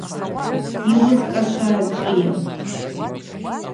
Йуызкӏашва ачӏвыйа?